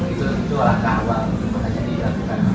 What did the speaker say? itu langkah awal untuk kita lakukan